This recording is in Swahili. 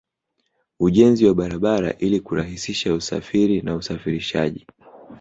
Ujenzi wa barabara ili kurahisisha usafiri na usafirishaji